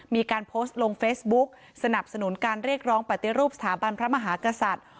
มีการโพสต์ลงเฟซบุ๊กสนับสนุนการเรียกร้องปฏิรูปสถาบันพระมหากษัตริย์